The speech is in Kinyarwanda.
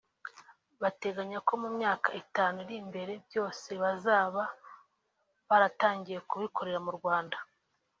Bateganya ko mu myaka itanu iri imbere byose bazaba baratangiye kubikorera mu Rwanda